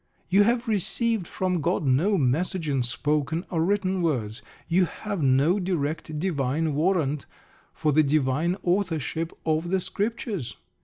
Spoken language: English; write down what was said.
You have received from God no message in spoken or written words. You have no direct divine warrant for the divine authorship of the Scriptures.